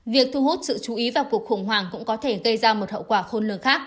việc thu hút sự chú ý vào cuộc khủng hoảng cũng có thể gây ra một hậu quả khôn lường khác